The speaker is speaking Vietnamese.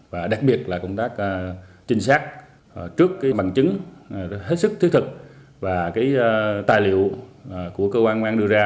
và đặc biệt là công tác trinh sát trước bằng chứng hết sức thiết thực và tài liệu của cơ quan quán đưa ra